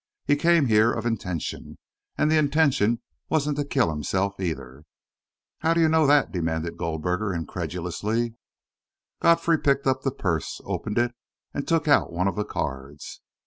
He came here of intention, and the intention wasn't to kill himself, either." "How do you know that?" demanded Goldberger, incredulously. Godfrey picked up the purse, opened it, and took out one of the cards.